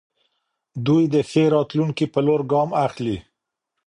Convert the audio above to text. دوی د ښې راتلونکې په لور ګام اخلي.